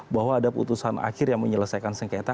bahwa ada putusan akhir yang menyelesaikan sengketa